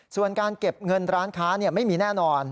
ส่วนการเก็บเงินร้านค้าไม่มีแน่นอน